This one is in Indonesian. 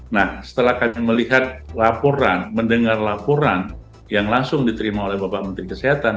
nah setelah kami melihat laporan mendengar laporan yang langsung diterima oleh bapak menteri kesehatan